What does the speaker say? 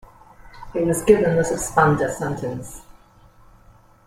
He was given a suspended sentence.